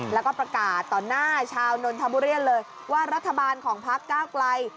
แล้วก็ประกาศต่อหน้าชาวนนทบุรีเลยว่ารัฐบาลของพักก้าวไกล